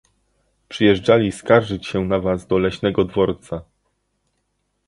"Przyjeżdżali skarżyć się na was do leśnego dworca..."